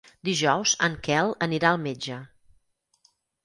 Dijous en Quel anirà al metge.